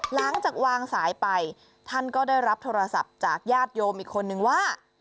หลังจากวางสายไปท่านก็ได้รับโทรศัพท์จากญาติโยมอีกคนนึงว่า